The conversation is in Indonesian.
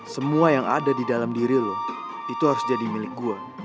semua yang ada di dalam diri lo itu harus jadi milik gue